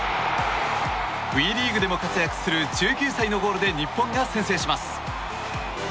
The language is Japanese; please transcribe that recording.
ＷＥリーグでも活躍する１９歳のゴールで日本が先制します。